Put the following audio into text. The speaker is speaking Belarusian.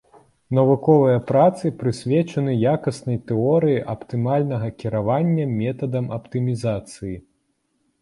Навуковыя працы прысвечаны якаснай тэорыі аптымальнага кіравання, метадам аптымізацыі.